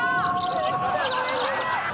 めっちゃごめんなさい。